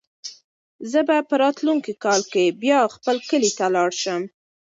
زه به په راتلونکي کال کې بیا خپل کلي ته لاړ شم.